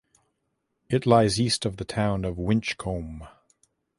It lies east of the town of Winchcombe.